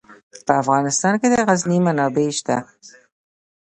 په افغانستان کې د غزني منابع شته.